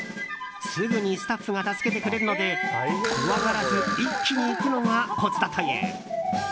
すぐにスタッフが助けてくれるので怖がらず一気に行くのがコツだという。